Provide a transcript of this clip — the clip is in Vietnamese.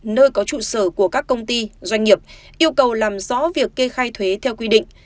nơi có trụ sở của các công ty doanh nghiệp yêu cầu làm rõ việc kê khai thuế theo quy định